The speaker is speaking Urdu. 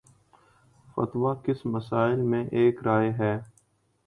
فتوی کس مسئلے میں ایک رائے ہے۔